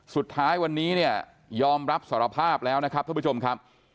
สุดท้ายวันนี้เนี่ยยอมรับสารภาพแล้วนะครับท่านผู้ชมครับ